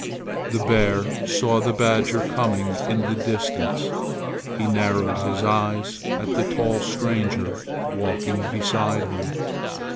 The bear saw the badger coming in the distance. He narrowed his eyes at the tall stranger walking beside him.